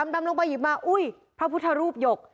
ดำลงไปหยิบมาอุ้ยพระพุทธรูปหยก